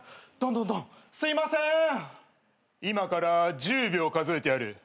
今から１０秒数えてやる。